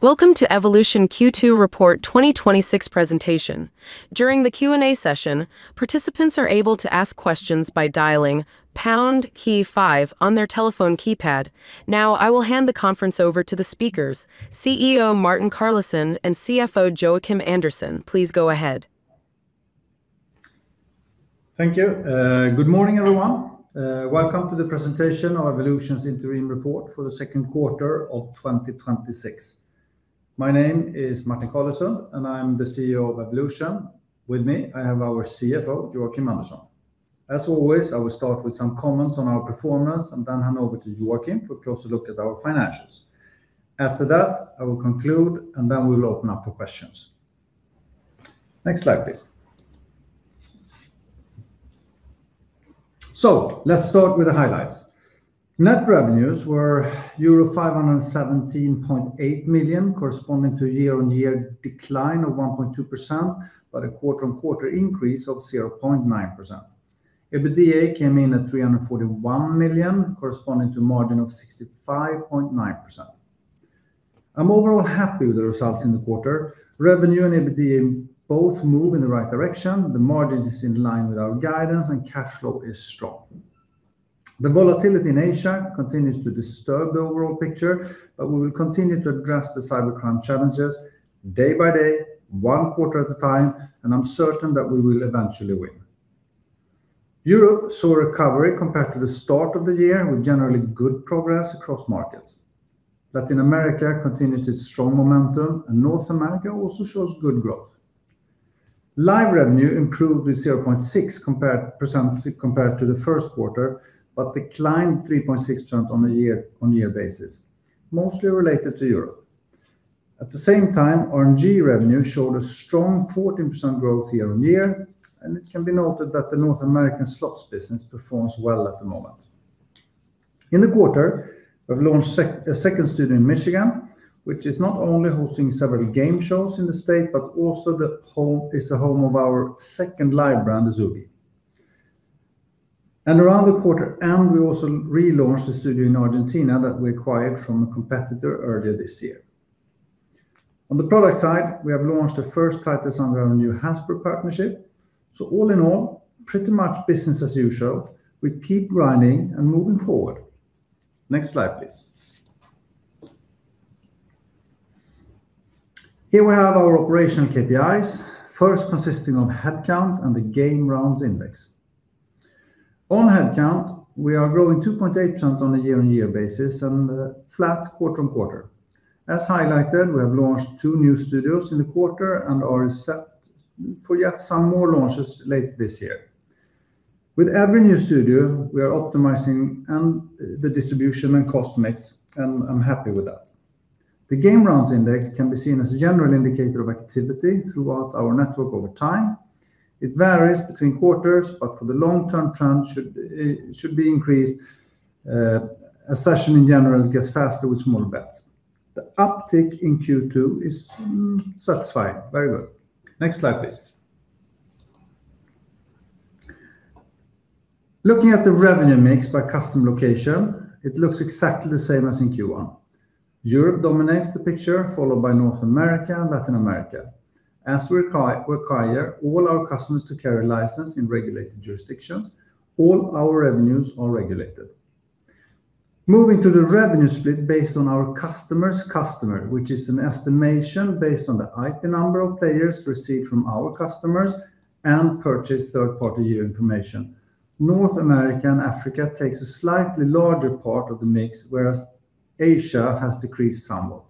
Welcome to Evolution Q2 Report 2026 presentation. During the Q&A session, participants are able to ask questions by dialing pound key five on their telephone keypad. I will hand the conference over to the speakers, CEO Martin Carlesund and CFO Joakim Andersson. Please go ahead. Thank you. Good morning, everyone. Welcome to the presentation of Evolution's interim report for the second quarter of 2026. My name is Martin Carlesund, and I am the CEO of Evolution. With me, I have our CFO, Joakim Andersson. As always, I will start with some comments on our performance and hand over to Joakim for a closer look at our financials. After that, I will conclude, and we will open up for questions. Next slide, please. Let's start with the highlights. Net revenues were euro 517.8 million, corresponding to year-on-year decline of 1.2%, but a quarter-on-quarter increase of 0.9%. EBITDA came in at 341 million, corresponding to a margin of 65.9%. I'm overall happy with the results in the quarter. Revenue and EBITDA both move in the right direction. The margin is in line with our guidance, and cash flow is strong. The volatility in Asia continues to disturb the overall picture, we will continue to address the cybercrime challenges day by day, one quarter at a time, and I'm certain that we will eventually win. Europe saw a recovery compared to the start of the year with generally good progress across markets. Latin America continues its strong momentum, North America also shows good growth. Live revenue improved with 0.6% compared to the first quarter, declined 3.6% on a year-on-year basis, mostly related to Europe. At the same time, RNG revenue showed a strong 14% growth year-on-year, it can be noted that the North American slots business performs well at the moment. In the quarter, we've launched a second studio in Michigan, which is not only hosting several game shows in the state, but also is the home of our second live brand, Ezugi. Around the quarter end, we also relaunched a studio in Argentina that we acquired from a competitor earlier this year. On the product side, we have launched the first titles under our new Hasbro partnership. All in all, pretty much business as usual. We keep grinding and moving forward. Next slide, please. Here we have our operational KPIs, first consisting of headcount and the game rounds index. On headcount, we are growing 2.8% on a year-on-year basis, flat quarter-on-quarter. As highlighted, we have launched two new studios in the quarter, are set for yet some more launches late this year. With every new studio, we are optimizing the distribution and cost mix, I'm happy with that. The game rounds index can be seen as a general indicator of activity throughout our network over time. It varies between quarters, but for the long term, trend should be increased, as session in general gets faster with small bets. The uptick in Q2 is satisfying. Very good. Next slide, please. Looking at the revenue mix by customer location, it looks exactly the same as in Q1. Europe dominates the picture, followed by North America and Latin America. As we require all our customers to carry a license in regulated jurisdictions, all our revenues are regulated. Moving to the revenue split based on our customer's customer, which is an estimation based on the IP number of players received from our customers and purchased third-party information. North America and Africa take a slightly larger part of the mix, whereas Asia has decreased somewhat.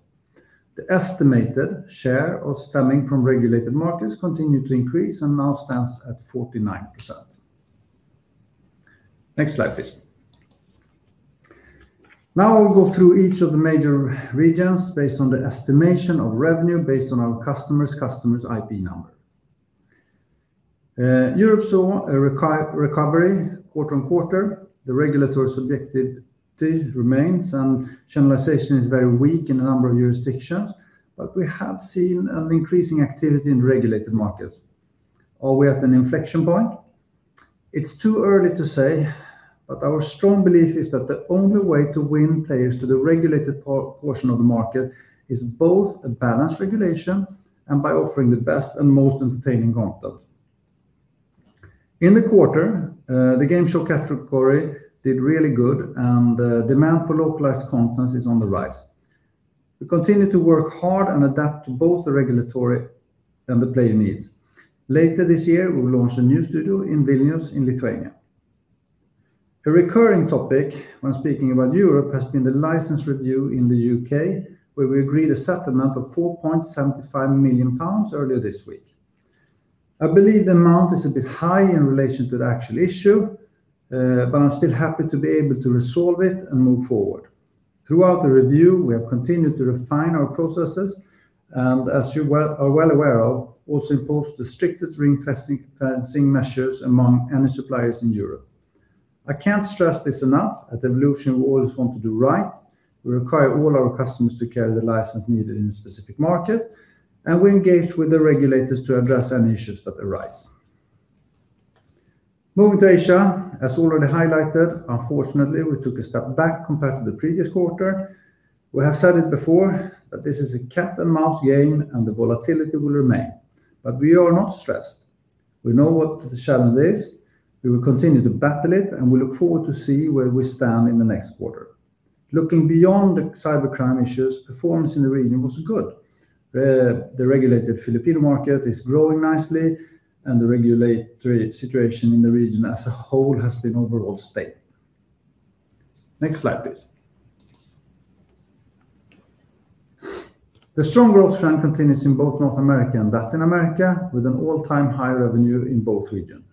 The estimated share stemming from regulated markets continued to increase and now stands at 49%. Next slide, please. Now I will go through each of the major regions based on the estimation of revenue based on our customers' customers' IP number. Europe saw a recovery quarter-on-quarter. The regulatory subjectivity remains, and channelization is very weak in a number of jurisdictions, we have seen an increasing activity in regulated markets. Are we at an inflection point? It's too early to say, our strong belief is that the only way to win players to the regulated portion of the market is both a balanced regulation and by offering the best and most entertaining content. In the quarter, the game show category did really good, demand for localized content is on the rise. We continue to work hard and adapt to both the regulatory and the player needs. Later this year, we will launch a new studio in Vilnius in Lithuania. A recurring topic when speaking about Europe has been the license review in the U.K., where we agreed a settlement of 4.75 million pounds earlier this week. I believe the amount is a bit high in relation to the actual issue, I'm still happy to be able to resolve it and move forward. Throughout the review, we have continued to refine our processes, as you are well aware of, also imposed the strictest ring-fencing measures among any suppliers in Europe. I can't stress this enough. At Evolution, we always want to do right. We require all our customers to carry the license needed in a specific market, we engage with the regulators to address any issues that arise. Moving to Asia, as already highlighted, unfortunately we took a step back compared to the previous quarter. We have said it before that this is a cat and mouse game, the volatility will remain. We are not stressed. We know what the challenge is. We will continue to battle it, we look forward to see where we stand in the next quarter. Looking beyond the cybercrime issues, performance in the region was good. The regulated Filipino market is growing nicely, the regulatory situation in the region as a whole has been overall stable. Next slide, please. The strong growth trend continues in both North America and Latin America, with an all-time high revenue in both regions.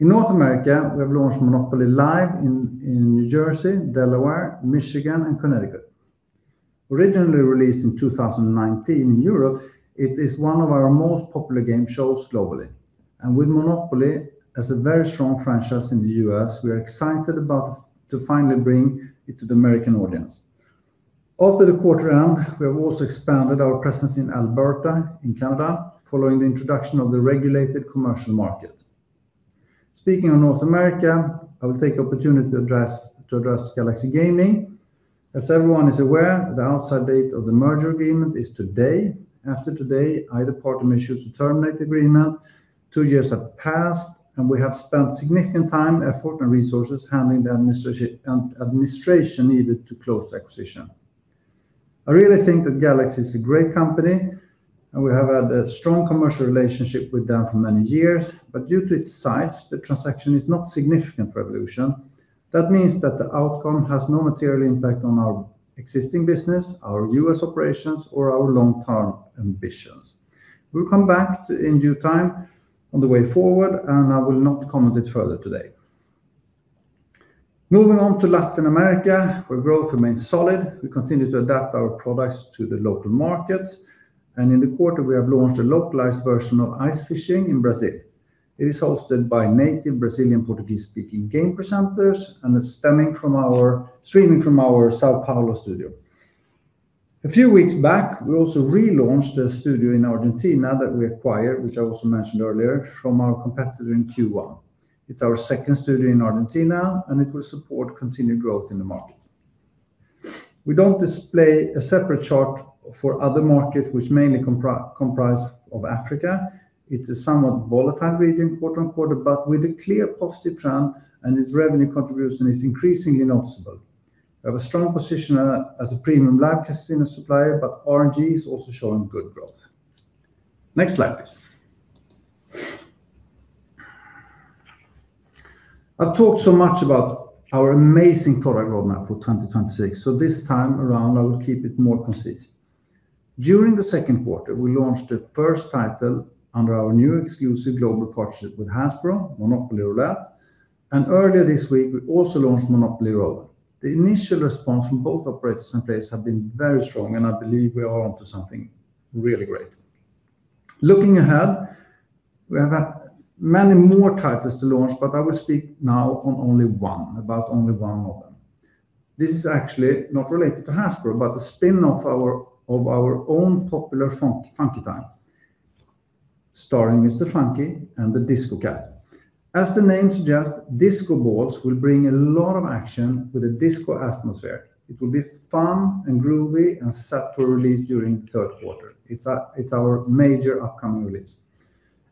In North America, we have launched Monopoly Live in New Jersey, Delaware, Michigan and Connecticut. Originally released in 2019 in Europe, it is one of our most popular game shows globally. With Monopoly as a very strong franchise in the U.S., we are excited to finally bring it to the American audience. After the quarter end, we have also expanded our presence in Alberta in Canada following the introduction of the regulated commercial market. Speaking of North America, I will take the opportunity to address Galaxy Gaming. As everyone is aware, the outside date of the merger agreement is today. After today, either party may choose to terminate the agreement. Two years have passed. We have spent significant time, effort, and resources handling the administration needed to close the acquisition. I really think that Galaxy is a great company. We have had a strong commercial relationship with them for many years. Due to its size, the transaction is not significant for Evolution. That means that the outcome has no material impact on our existing business, our U.S. operations, or our long-term ambitions. We'll come back in due time on the way forward. I will not comment it further today. Moving on to Latin America, where growth remains solid, we continue to adapt our products to the local markets. In the quarter, we have launched a localized version of Ice Fishing in Brazil. It is hosted by native Brazilian Portuguese-speaking game presenters. It's streaming from our São Paulo studio. A few weeks back, we also relaunched a studio in Argentina that we acquired, which I also mentioned earlier, from our competitor in Q1. It's our second studio in Argentina. It will support continued growth in the market. We don't display a separate chart for other markets which mainly comprise of Africa. It is somewhat volatile region quarter on quarter. With a clear positive trend, its revenue contribution is increasingly noticeable. We have a strong position as a premium Live Casino supplier. RNG is also showing good growth. Next slide, please. I've talked so much about our amazing product roadmap for 2026. This time around, I will keep it more concise. During the second quarter, we launched the first title under our new exclusive global partnership with Hasbro, Monopoly Roulette. Earlier this week, we also launched Monopoly Roll. The initial response from both operators and players have been very strong. I believe we are onto something really great. Looking ahead, we have many more titles to launch. I will speak now on only one, about only one of them. This is actually not related to Hasbro, a spin of our own popular Funky Time starring Mr. Funky and the Disco Cat. As the name suggests, Disco Balls will bring a lot of action with a disco atmosphere. It will be fun and groovy and set for release during the third quarter. It's our major upcoming release.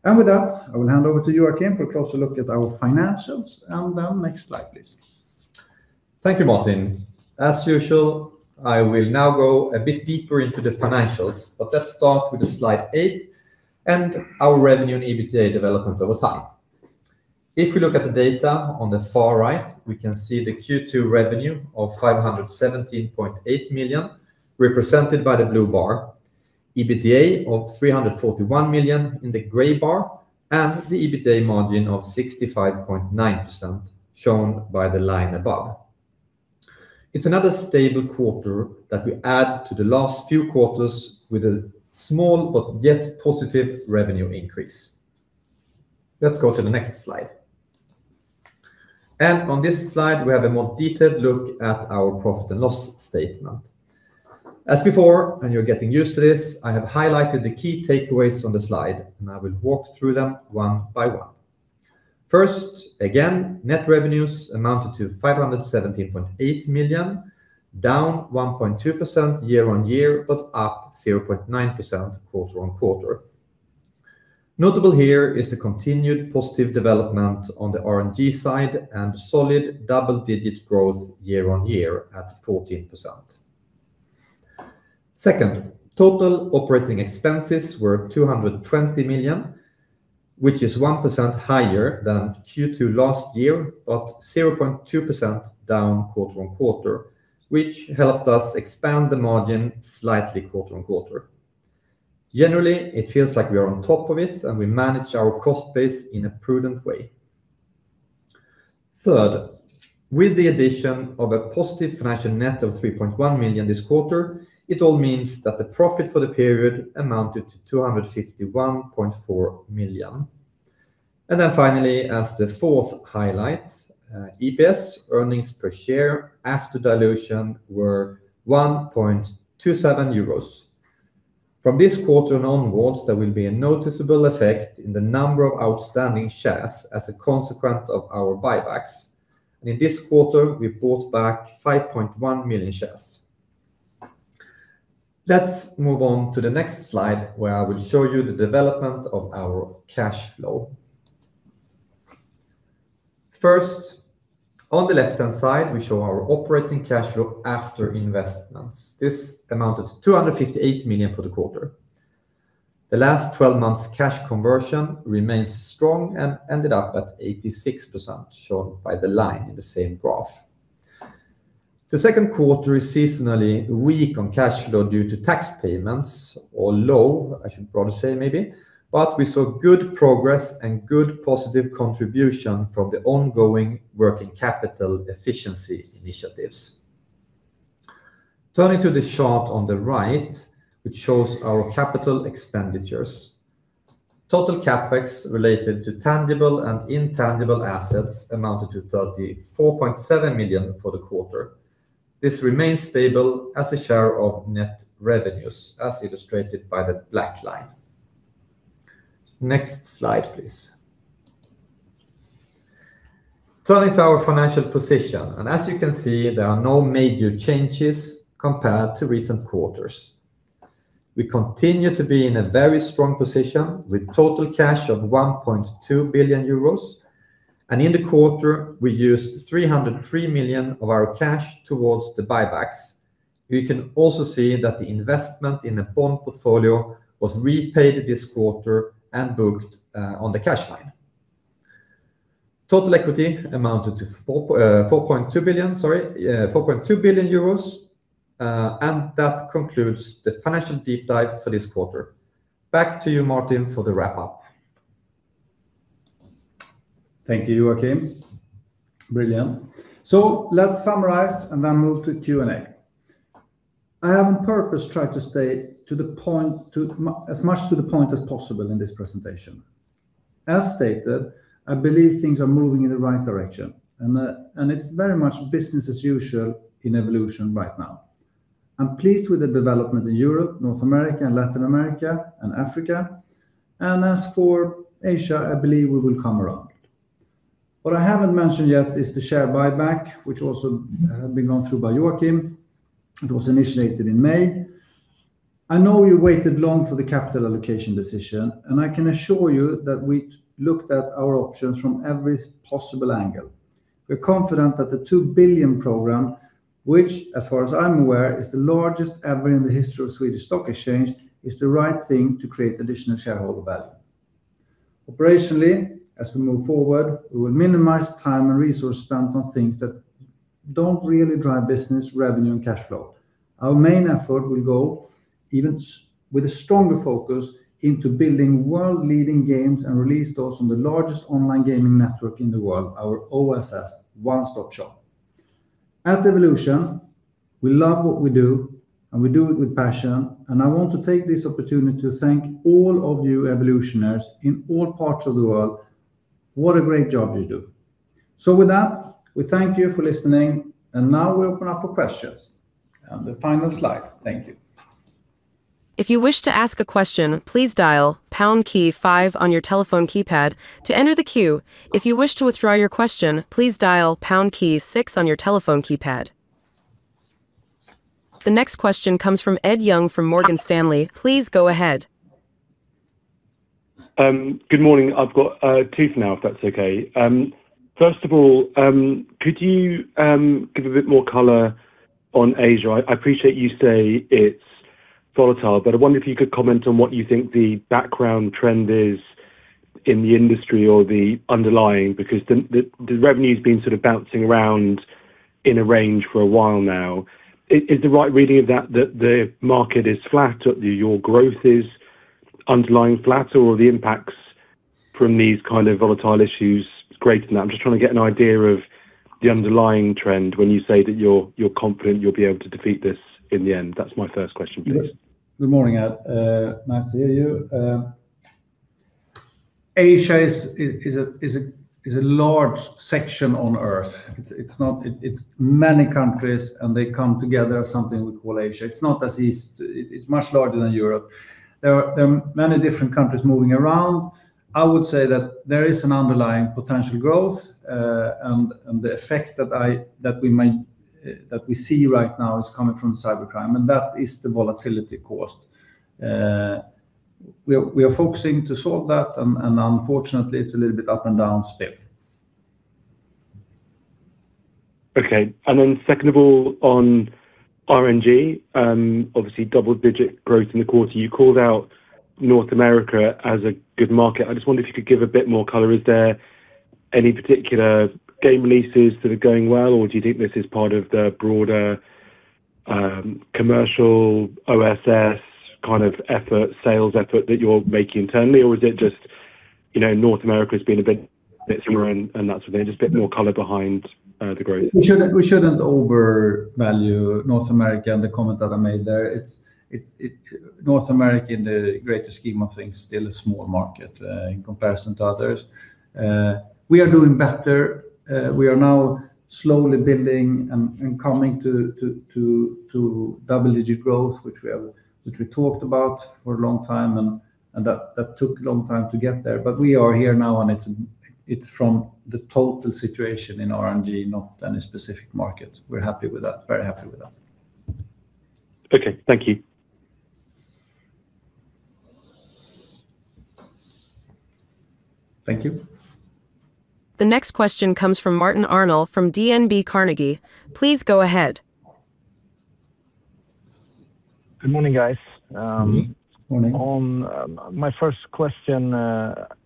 With that, I will hand over to you, Joakim, for a closer look at our financials. Next slide, please. Thank you, Martin. As usual, I will now go a bit deeper into the financials, but let's start with slide eight and our revenue and EBITDA development over time. If we look at the data on the far right, we can see the Q2 revenue of 517.8 million represented by the blue bar, EBITDA of 341 million in the gray bar, and the EBITDA margin of 65.9% shown by the line above. It's another stable quarter that we add to the last few quarters with a small but yet positive revenue increase. Let's go to the next slide. On this slide, we have a more detailed look at our profit and loss statement. As before, and you're getting used to this, I have highlighted the key takeaways on the slide, and I will walk through them one by one. First, again, net revenues amounted to 517.8 million, down 1.2% year-over-year, but up 0.9% quarter-over-quarter. Notable here is the continued positive development on the RNG side and solid double-digit growth year-over-year at 14%. Second, total operating expenses were 220 million, which is 1% higher than Q2 last year, but 0.2% down quarter-over-quarter, which helped us expand the margin slightly quarter-over-quarter. Generally, it feels like we are on top of it, and we manage our cost base in a prudent way. Third, with the addition of a positive financial net of 3.1 million this quarter, it all means that the profit for the period amounted to 251.4 million. Finally, as the fourth highlight, EPS earnings per share after dilution were 1.27 euros. From this quarter onwards, there will be a noticeable effect in the number of outstanding shares as a consequence of our buybacks. In this quarter, we bought back 5.1 million shares. Let's move on to the next slide, where I will show you the development of our cash flow. First, on the left-hand side, we show our operating cash flow after investments. This amounted to 258 million for the quarter. The last 12 months cash conversion remains strong and ended up at 86%, shown by the line in the same graph. The second quarter is seasonally weak on cash flow due to tax payments, or low, I should probably say maybe, but we saw good progress and good positive contribution from the ongoing working capital efficiency initiatives. Turning to the chart on the right, which shows our capital expenditures. Total CapEx related to tangible and intangible assets amounted to 34.7 million for the quarter. This remains stable as a share of net revenues, as illustrated by the black line. Next slide, please. Turning to our financial position, as you can see, there are no major changes compared to recent quarters. We continue to be in a very strong position with total cash of 1.2 billion euros. In the quarter, we used 303 million of our cash towards the buybacks. You can also see that the investment in the bond portfolio was repaid this quarter and booked on the cash line. Total equity amounted to 4.2 billion. That concludes the financial deep dive for this quarter. Back to you, Martin, for the wrap-up. Thank you, Joakim. Brilliant. Let's summarize and then move to Q&A. I have on purpose tried to stay as much to the point as possible in this presentation. As stated, I believe things are moving in the right direction and it's very much business as usual in Evolution right now. I'm pleased with the development in Europe, North America, and Latin America and Africa. As for Asia, I believe we will come around. What I haven't mentioned yet is the share buyback, which also has been gone through by Joakim. It was initiated in May. I know you waited long for the capital allocation decision. I can assure you that we looked at our options from every possible angle. We're confident that the 2 billion program, which as far as I'm aware, is the largest ever in the history of Stockholm Stock Exchange, is the right thing to create additional shareholder value. Operationally, as we move forward, we will minimize time and resource spent on things that don't really drive business revenue and cash flow. Our main effort will go even with a stronger focus into building world-leading games and release those on the largest online gaming network in the world, our OSS, One Stop Shop. At Evolution, we love what we do. We do it with passion. I want to take this opportunity to thank all of you Evolutioners in all parts of the world, what a great job you do. With that, we thank you for listening. Now we open up for questions. The final slide. Thank you. If you wish to ask a question, please dial pound key five on your telephone keypad to enter the queue. If you wish to withdraw your question, please dial pound key six on your telephone keypad. The next question comes from Ed Young from Morgan Stanley. Please go ahead. Good morning. I've got two for now, if that's okay. First of all, could you give a bit more color on Asia? I appreciate you say it's volatile, but I wonder if you could comment on what you think the background trend is in the industry or the underlying, because the revenue's been sort of bouncing around in a range for a while now. Is the right reading of that the market is flat, your growth is underlying flat, or are the impacts from these kind of volatile issues greater than that? I'm just trying to get an idea of the underlying trend when you say that you're confident you'll be able to defeat this in the end. That's my first question for you. Good morning, Ed. Nice to hear you. Asia is a large section on Earth. It's many countries, and they come together as something we call Asia. It's much larger than Europe. There are many different countries moving around. I would say that there is an underlying potential growth, and the effect that we see right now is coming from cybercrime, and that is the volatility caused. We are focusing to solve that, unfortunately, it's a little bit up and down still. Okay. Second of all, on RNG, obviously double-digit growth in the quarter. You called out North America as a good market. I just wondered if you could give a bit more color. Is there any particular game releases that are going well, or do you think this is part of the broader commercial OSS kind of effort, sales effort that you're making internally? Is it just North America has been a bit slower and that sort of thing? Just a bit more color behind the growth. We shouldn't overvalue North America and the comment that I made there. North America in the greater scheme of things, still a small market in comparison to others. We are doing better. We are now slowly building and coming to double-digit growth, which we talked about for a long time, that took a long time to get there. We are here now, and it's from the total situation in RNG, not any specific market. We're happy with that. Very happy with that. Okay. Thank you Thank you. The next question comes from Martin Arnell from DNB Carnegie. Please go ahead. Good morning, guys. Good morning. My first question,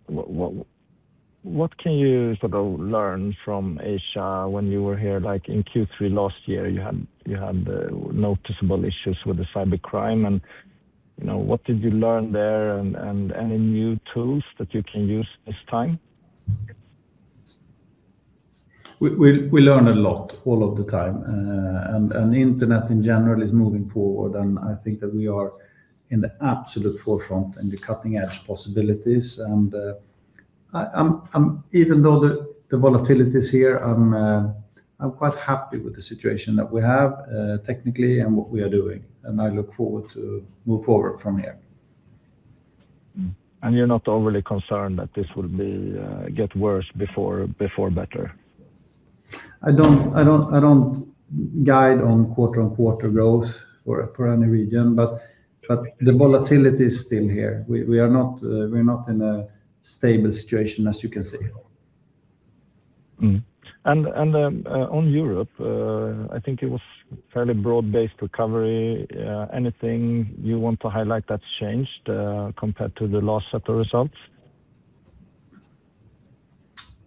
what can you learn from Asia when you were here? In Q3 last year, you had noticeable issues with cybercrime. What did you learn there, any new tools that you can use this time? We learn a lot all of the time. Internet in general is moving forward. I think that we are in the absolute forefront in the cutting-edge possibilities. Even though the volatility is here, I'm quite happy with the situation that we have, technically. What we are doing, I look forward to move forward from here. You're not overly concerned that this will get worse before better? I don't guide on quarter-on-quarter growth for any region. The volatility is still here. We are not in a stable situation, as you can see. On Europe, I think it was fairly broad-based recovery. Anything you want to highlight that's changed compared to the last set of results?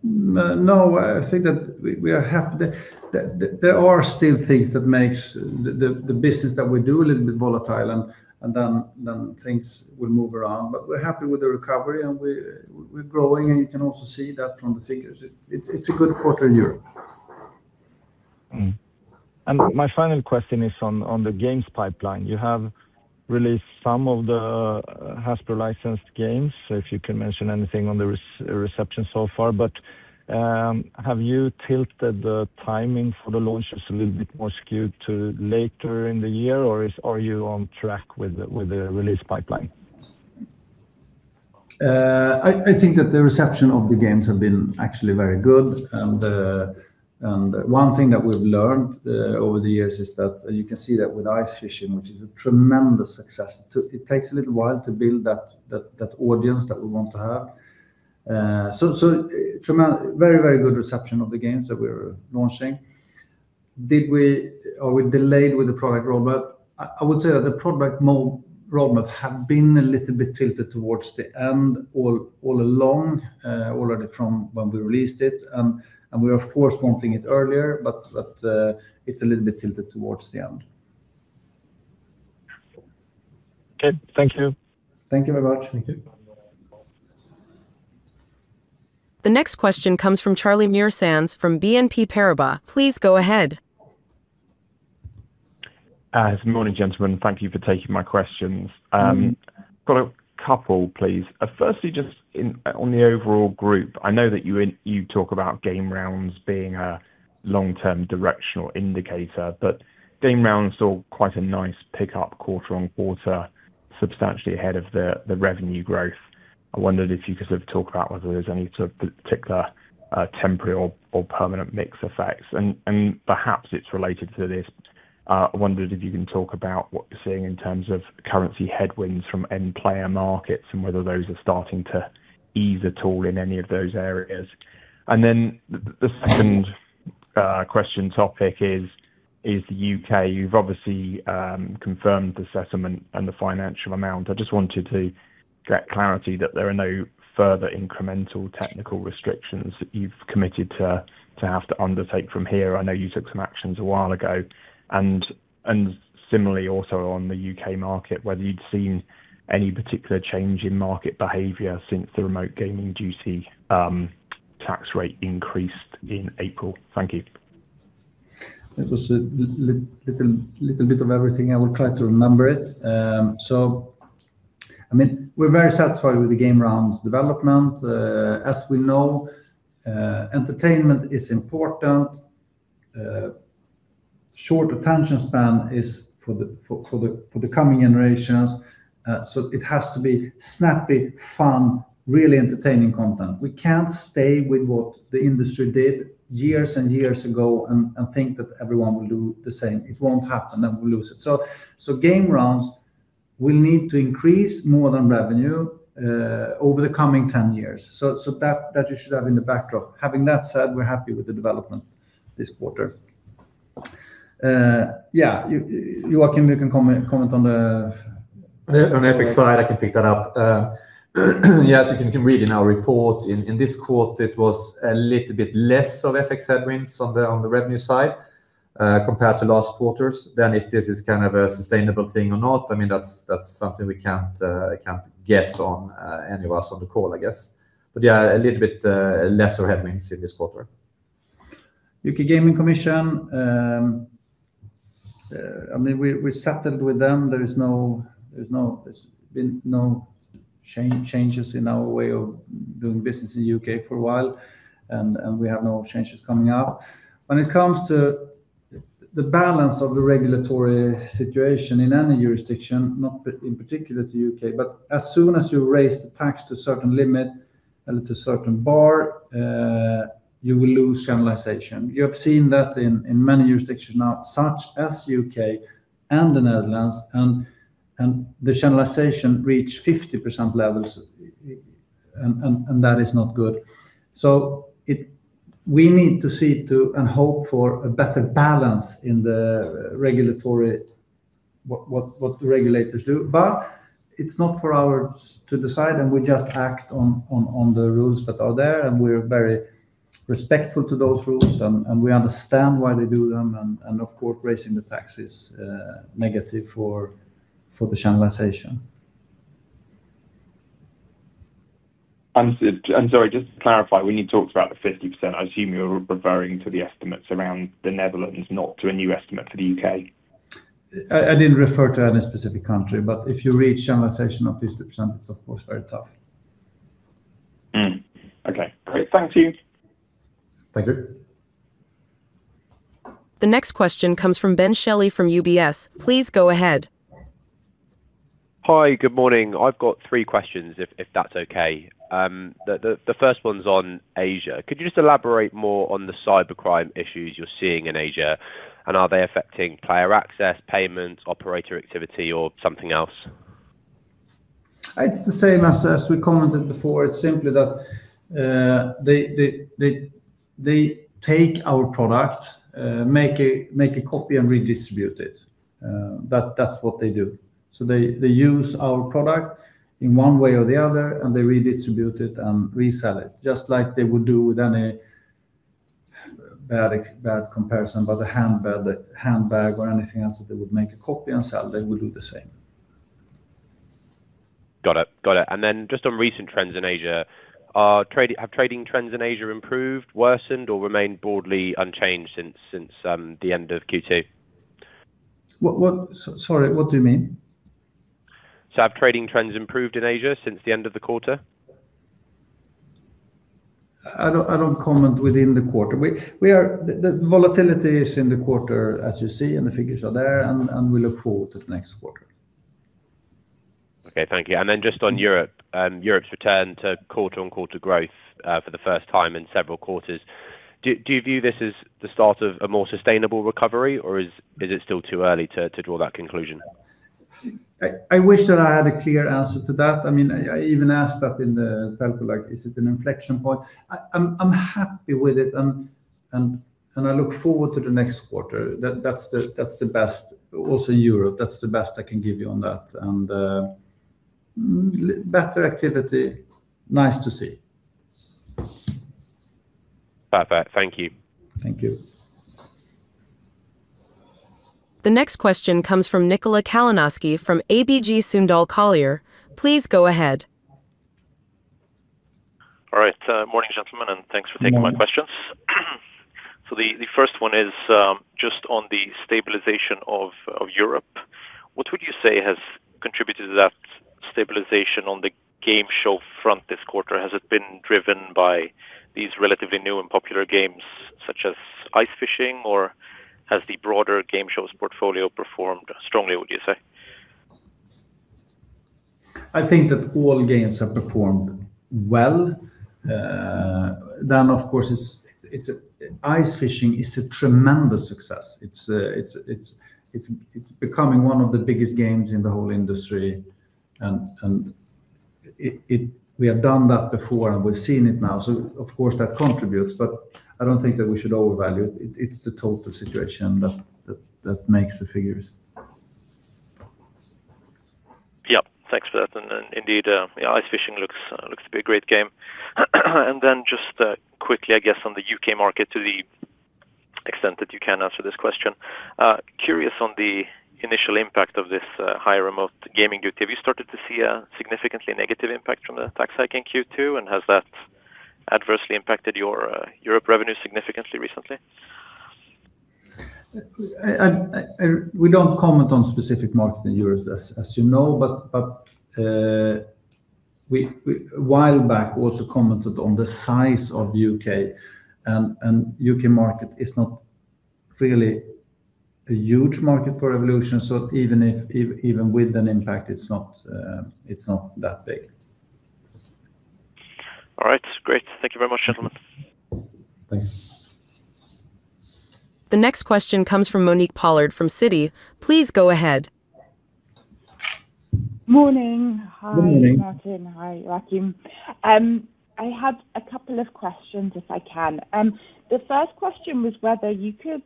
No, I think that we are happy. There are still things that makes the business that we do a little bit volatile, things will move around. We're happy with the recovery and we're growing, you can also see that from the figures. It's a good quarter in Europe. My final question is on the games pipeline. You have released some of the Hasbro licensed games, if you can mention anything on the reception so far. Have you tilted the timing for the launches a little bit more skewed to later in the year, or are you on track with the release pipeline? I think that the reception of the games have been actually very good. One thing that we've learned over the years is that you can see that with Ice Fishing, which is a tremendous success, it takes a little while to build that audience that we want to have. Very good reception of the games that we're launching. Are we delayed with the product roadmap? I would say that the product roadmap had been a little bit tilted towards the end all along, already from when we released it. We of course wanting it earlier, it's a little bit tilted towards the end. Okay. Thank you. Thank you very much. Thank you. The next question comes from Charlie Muir-Sands from BNP Paribas. Please go ahead. Good morning, gentlemen. Thank you for taking my questions. Got a couple, please. Firstly, just on the overall group, I know that you talk about game rounds being a long-term directional indicator, but game rounds saw quite a nice pickup quarter-over-quarter, substantially ahead of the revenue growth. I wondered if you could sort of talk about whether there's any sort of particular temporary or permanent mix effects. Perhaps it's related to this. I wondered if you can talk about what you're seeing in terms of currency headwinds from end player markets and whether those are starting to ease at all in any of those areas. The second question topic is the U.K. You've obviously confirmed the assessment and the financial amount. I just wanted to get clarity that there are no further incremental technical restrictions that you've committed to have to undertake from here. I know you took some actions a while ago. Similarly also on the U.K. market, whether you'd seen any particular change in market behavior since the Remote Gaming Duty tax rate increased in April. Thank you. That was a little bit of everything. I will try to remember it. We're very satisfied with the game rounds development. As we know, entertainment is important. Short attention span is for the coming generations, so it has to be snappy, fun, really entertaining content. We can't stay with what the industry did years and years ago and think that everyone will do the same. It won't happen, and we'll lose it. Game rounds will need to increase more than revenue over the coming 10 years. That you should have in the backdrop. Having that said, we're happy with the development this quarter. Yeah, Joakim, you can comment on that. On the FX side, I can pick that up. Yes, you can read in our report, in this quarter, it was a little bit less of FX headwinds on the revenue side compared to last quarters. If this is kind of a sustainable thing or not, that's something we can't guess on, any of us on the call, I guess. Yeah, a little bit lesser headwinds in this quarter. U.K. Gambling Commission, we settled with them. There's been no changes in our way of doing business in the U.K. for a while, and we have no changes coming up. When it comes to the balance of the regulatory situation in any jurisdiction, not in particular to U.K., but as soon as you raise the tax to a certain limit, a little certain bar, you will lose channelization. You have seen that in many jurisdictions now, such as U.K. and the Netherlands, and the channelization reach 50% levels, and that is not good. We need to see to, and hope for, a better balance in what the regulators do. It's not for us to decide, and we just act on the rules that are there, and we are very respectful to those rules, and we understand why they do them. Of course, raising the tax is negative for the channelization. Sorry, just to clarify, when you talked about the 50%, I assume you're referring to the estimates around the Netherlands, not to a new estimate for the U.K.? I didn't refer to any specific country, but if you reach channelization of 50%, it's of course, very tough. Okay, great. Thank you. Thank you. The next question comes from Ben Shelley from UBS. Please go ahead. Hi. Good morning. I've got three questions, if that's okay. The first one's on Asia. Could you just elaborate more on the cybercrime issues you're seeing in Asia, and are they affecting player access, payments, operator activity, or something else? It's the same as we commented before. It's simply that they take our product, make a copy, and redistribute it. That's what they do. They use our product in one way or the other, and they redistribute it and resell it, just like they would do with any, bad comparison, but a handbag or anything else that they would make a copy and sell, they would do the same. Got it. Just on recent trends in Asia, have trading trends in Asia improved, worsened, or remained broadly unchanged since the end of Q2? Sorry, what do you mean? Have trading trends improved in Asia since the end of the quarter? I don't comment within the quarter. The volatility is in the quarter as you see, and the figures are there, and we look forward to the next quarter. Okay, thank you. Just on Europe. Europe's return to quarter-on-quarter growth for the first time in several quarters. Do you view this as the start of a more sustainable recovery, or is it still too early to draw that conclusion? I wish that I had a clear answer to that. I even asked that in the telco, like is it an inflection point? I'm happy with it, and I look forward to the next quarter. Also Europe. That's the best I can give you on that. Better activity, nice to see. Perfect. Thank you. Thank you. The next question comes from Nikola Kalanoski from ABG Sundal Collier. Please go ahead. All right. Morning, gentlemen, and thanks for taking my questions. The first one is just on the stabilization of Europe. What would you say has contributed to that stabilization on the game show front this quarter? Has it been driven by these relatively new and popular games such as Ice Fishing, or has the broader game shows portfolio performed strongly, would you say? I think that all games have performed well. Of course, Ice Fishing is a tremendous success. It's becoming one of the biggest games in the whole industry, and we have done that before, and we've seen it now, so of course that contributes, but I don't think that we should overvalue it. It's the total situation that makes the figures. Yep. Thanks for that. Indeed, Ice Fishing looks to be a great game. Just quickly, I guess, on the U.K. market, to the extent that you can answer this question, curious on the initial impact of this higher Remote Gaming Duty. Have you started to see a significantly negative impact from the tax hike in Q2, and has that adversely impacted your Europe revenue significantly recently? We don't comment on specific market in Europe, as you know, but a while back also commented on the size of U.K., and U.K. market is not really a huge market for Evolution. Even with an impact, it's not that big. All right, great. Thank you very much, gentlemen. Thanks. The next question comes from Monique Pollard from Citi. Please go ahead. Morning. Good morning. Martin. Hi, Joakim. I had a couple of questions, if I can. The first question was whether you could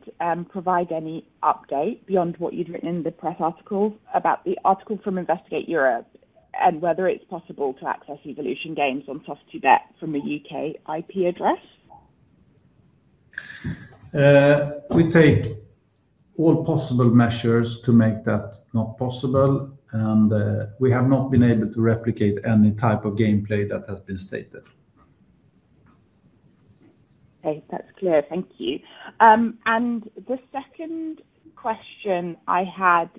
provide any update beyond what you'd written in the press article about the article from Investigate Europe and whether it's possible to access Evolution games on Soft2Bet from a U.K. IP address? We take all possible measures to make that not possible. We have not been able to replicate any type of gameplay that has been stated. Okay, that's clear. Thank you. The second question I had,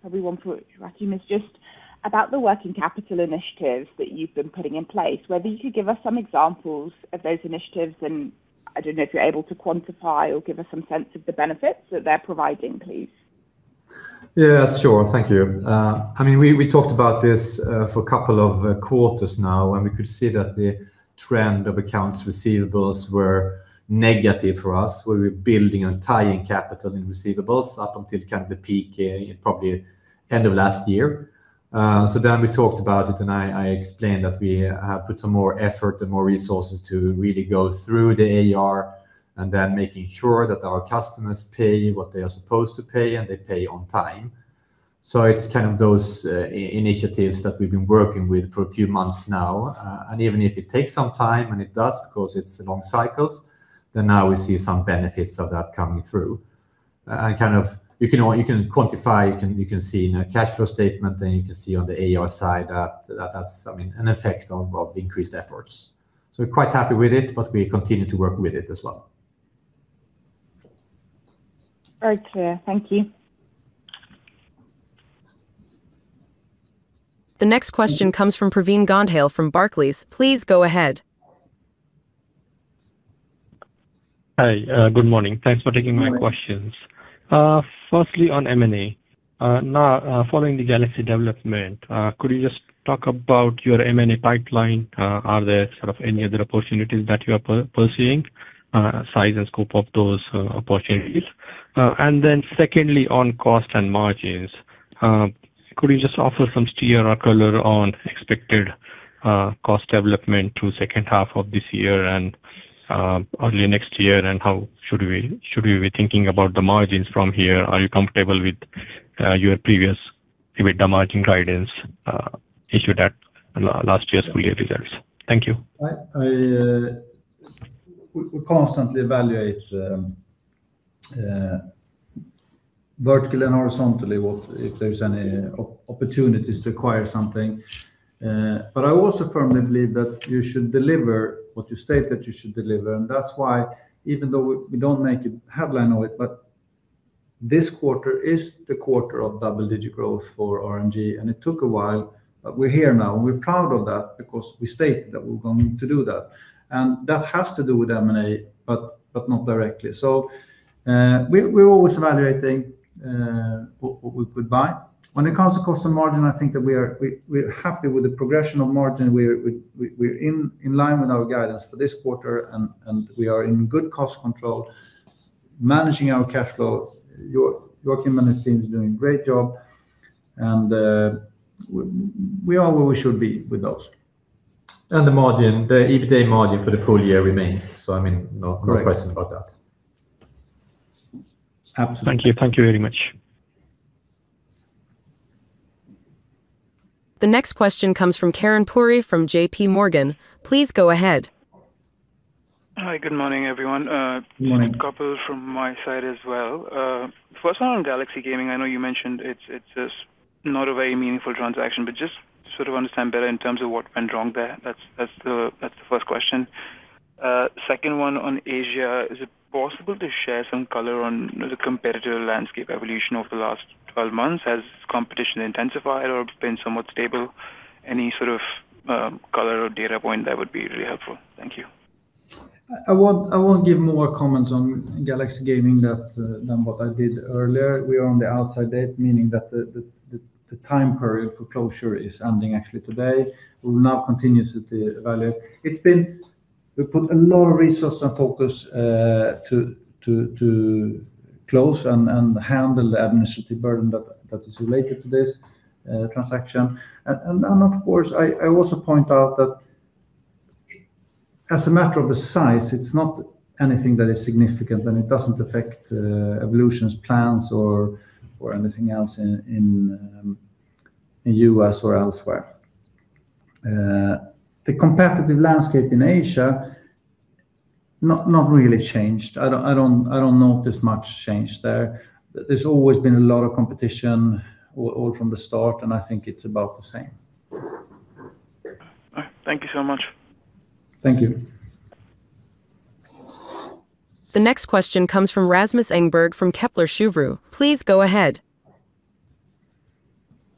probably one for Joakim, is just about the working capital initiatives that you've been putting in place, whether you could give us some examples of those initiatives and I don't know if you're able to quantify or give us some sense of the benefits that they're providing, please. Yeah, sure. Thank you. We talked about this for a couple of quarters now, and we could see that the trend of accounts receivable were negative for us. We were building and tying capital in receivables up until the peak probably end of last year. We talked about it, and I explained that we put some more effort and more resources to really go through the AR and then making sure that our customers pay what they are supposed to pay and they pay on time. It's kind of those initiatives that we've been working with for a few months now. Even if it takes some time, and it does, because it's long cycles, then now we see some benefits of that coming through. You can quantify, you can see in a cash flow statement, and you can see on the AR side that's an effect of increased efforts. We're quite happy with it, but we continue to work with it as well. Very clear, thank you. The next question comes from Pravin Gondhale from Barclays. Please go ahead. Hi. Good morning. Thanks for taking my questions. Firstly, on M&A. Following the Galaxy development, could you just talk about your M&A pipeline? Are there sort of any other opportunities that you are pursuing, size and scope of those opportunities? Secondly, on cost and margins, could you just offer some steer or color on expected cost development through second half of this year and early next year, and how should we be thinking about the margins from here? Are you comfortable with your previous EBITDA margin guidance issued at last year's full year results? Thank you. We constantly evaluate vertically and horizontally if there's any opportunities to acquire something. I also firmly believe that you should deliver what you state that you should deliver, that's why even though we don't make a headline of it, this quarter is the quarter of double-digit growth for RNG, it took a while, we're here now, we're proud of that because we stated that we were going to do that. That has to do with M&A, not directly. We're always evaluating what we could buy. When it comes to cost and margin, I think that we're happy with the progression of margin. We're in line with our guidance for this quarter, we are in good cost control, managing our cash flow. Joakim and his team is doing a great job, we are where we should be with those. The EBITDA margin for the full-year remains, no question about that. Absolutely. Thank you very much. The next question comes from Karan Puri from JPMorgan. Please go ahead. Hi. Good morning, everyone. Morning. A couple from my side as well. First one on Galaxy Gaming, I know you mentioned it's just not a very meaningful transaction, but just sort of understand better in terms of what went wrong there. That's the first question. Second one on Asia, is it possible to share some color on the competitive landscape Evolution over the last 12 months? Has competition intensified or been somewhat stable? Any sort of color or data point, that would be really helpful. Thank you. I won't give more comments on Galaxy Gaming than what I did earlier. We are on the outside date, meaning that the time period for closure is ending actually today. We will now continuously evaluate. We put a lot of resource and focus to close and handle the administrative burden that is related to this transaction. Of course, I also point out that as a matter of the size, it's not anything that is significant, and it doesn't affect Evolution's plans or anything else in U.S. or elsewhere. The competitive landscape in Asia, not really changed. I don't notice much change there. There's always been a lot of competition all from the start, and I think it's about the same. All right. Thank you so much. Thank you. The next question comes from Rasmus Engberg from Kepler Cheuvreux. Please go ahead.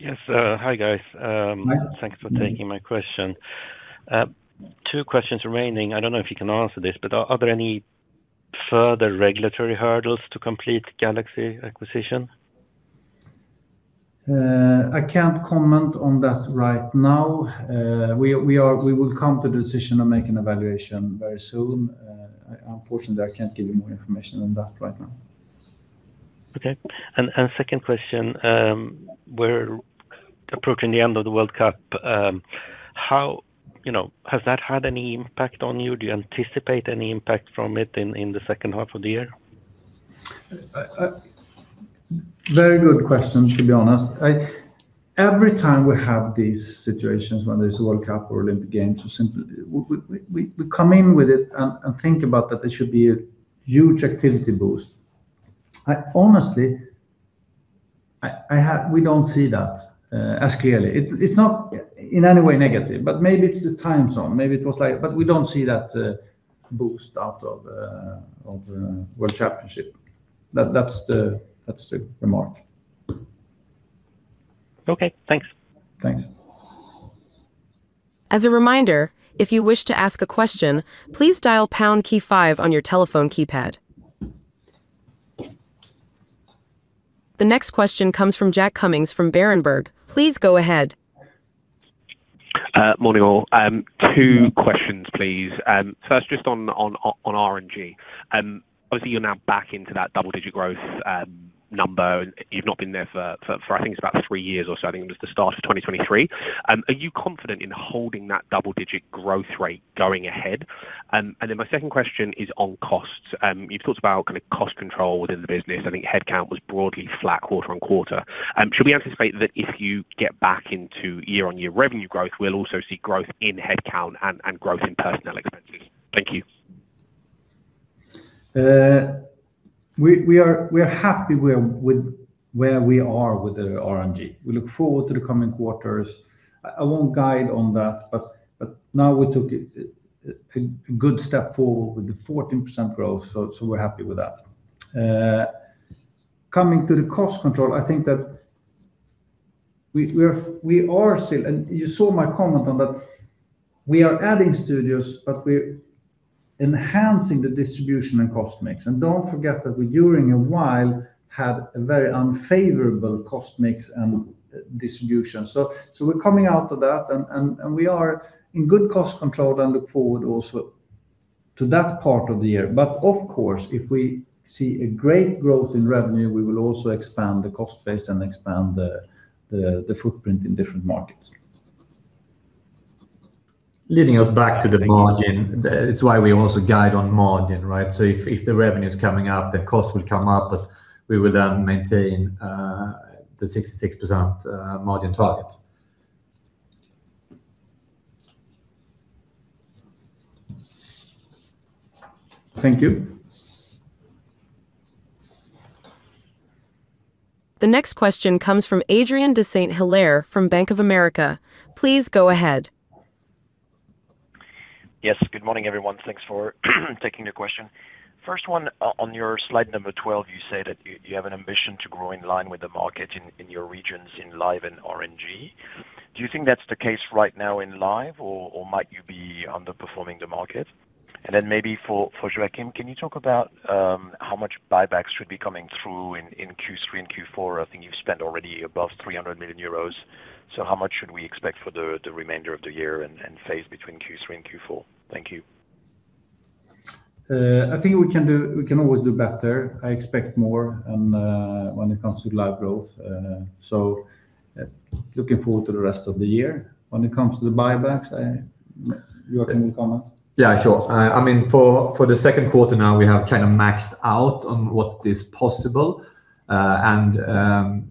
Yes. Hi, guys. Hi. Thanks for taking my question. Two questions remaining. I don't know if you can answer this, but are there any further regulatory hurdles to complete Galaxy acquisition? I can't comment on that right now. We will come to the decision and make an evaluation very soon. Unfortunately, I can't give you more information on that right now. Okay. Second question, we're approaching the end of the World Cup. Has that had any impact on you? Do you anticipate any impact from it in the second half of the year? Very good question, to be honest. Every time we have these situations when there's a World Cup or Olympic Games, we come in with it and think about that there should be a huge activity boost. Honestly, we don't see that as clearly. It's not in any way negative, but maybe it's the time zone. We don't see that boost out of World Championship. That's the remark. Okay. Thanks. Thanks. As a reminder, if you wish to ask a question, please dial pound key five on your telephone keypad. The next question comes from Jack Cummings from Berenberg. Please go ahead. Morning, all. Two questions, please. First, just on RNG. Obviously, you're now back into that double-digit growth number. You've not been there for, I think it's about three years or so. I think it was the start of 2023. Are you confident in holding that double-digit growth rate going ahead? My second question is on costs. You've talked about kind of cost control within the business. I think headcount was broadly flat quarter-on-quarter. Should we anticipate that if you get back into year-on-year revenue growth, we'll also see growth in headcount and growth in personnel expenses? Thank you. We are happy with where we are with the RNG. We look forward to the coming quarters. I won't guide on that, but now we took a good step forward with the 14% growth. We're happy with that. Coming to the cost control, I think that we are still and you saw my comment on that. We are adding studios, but we're enhancing the distribution and cost mix. Don't forget that we, during a while, had a very unfavorable cost mix and distribution. We're coming out of that, and we are in good cost control and look forward also to that part of the year. Of course, if we see a great growth in revenue, we will also expand the cost base and expand the footprint in different markets. Leading us back to the margin, it's why we also guide on margin, right? If the revenue's coming up, the cost will come up, we will then maintain the 66% margin target. Thank you. The next question comes from Adrien de Saint Hilaire from Bank of America. Please go ahead. Yes, good morning, everyone. Thanks for taking the question. First one, on your slide number 12, you say that you have an ambition to grow in line with the market in your regions in live and RNG. Do you think that's the case right now in live, or might you be underperforming the market? Then maybe for Joakim, can you talk about how much buybacks should be coming through in Q3 and Q4? I think you've spent already above 300 million euros. How much should we expect for the remainder of the year and phase between Q3 and Q4? Thank you. I think we can always do better. I expect more when it comes to live growth. Looking forward to the rest of the year. When it comes to the buybacks, Joakim, you comment? Yeah, sure. For the second quarter now, we have kind of maxed out on what is possible, and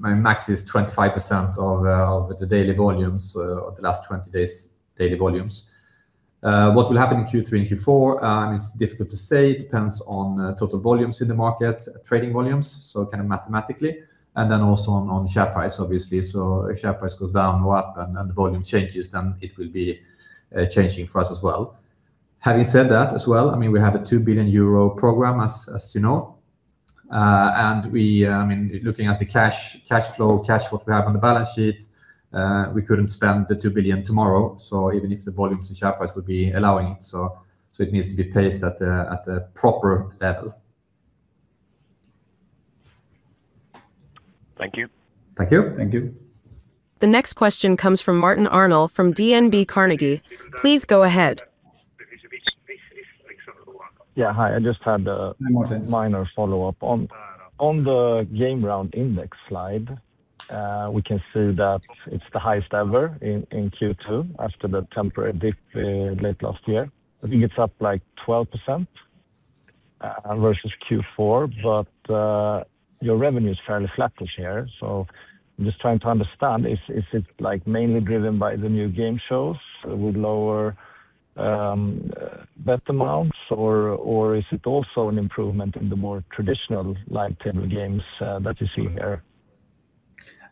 my max is 25% of the daily volumes, of the last 20 days' daily volumes. What will happen in Q3 and Q4, it's difficult to say. It depends on total volumes in the market, trading volumes, kind of mathematically, and then also on share price, obviously. If share price goes down or up and the volume changes, then it will be changing for us as well. Having said that as well, we have a 2 billion euro program, as you know. Looking at the cash flow, cash what we have on the balance sheet, we couldn't spend the 2 billion tomorrow, even if the volumes and share price would be allowing it. It needs to be placed at the proper level. Thank you. Thank you. Thank you. The next question comes from Martin Arnell from DNB Carnegie. Please go ahead. Yeah, hi. I just had a minor follow-up. On the game round index slide, we can see that it's the highest ever in Q2 after the temporary dip late last year. I think it's up like 12% versus Q4. Your revenue is fairly flat this year, so I'm just trying to understand, is it mainly driven by the new game shows with lower bet amounts, or is it also an improvement in the more traditional live table games that you see here?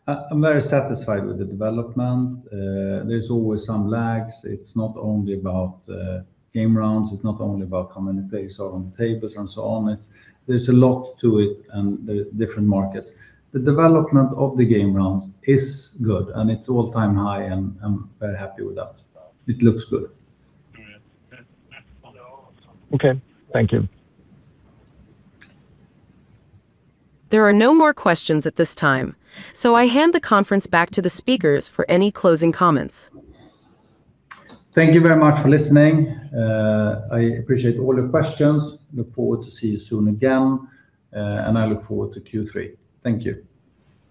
I'm very satisfied with the development. There's always some lags. It's not only about game rounds, it's not only about how many players are on the tables and so on. There's a lot to it and the different markets. The development of the game rounds is good, and it's all-time high, and I'm very happy with that. It looks good. Okay. Thank you. There are no more questions at this time. I hand the conference back to the speakers for any closing comments. Thank you very much for listening. I appreciate all the questions. Look forward to see you soon again, and I look forward to Q3. Thank you.